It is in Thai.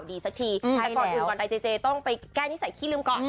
ไม่ต้องไปแก้นิสัยขี้ลืมก่อน